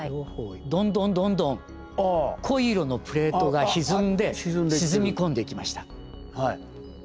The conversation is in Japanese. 両方にどんどんどんどん濃い色のプレートがひずんで沈み込んでいきました。